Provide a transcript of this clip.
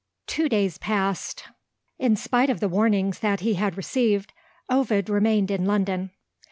Two days passed. In spite of the warnings that he had received, Ovid remained in London.